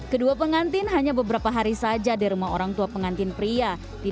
kedua pengantin hanya beberapa hari saja di rumah orang tua pengantin pria di